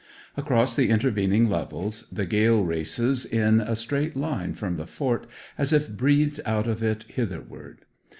Across the intervening levels the gale races in a straight line from the fort, as if breathed out of it hitherward.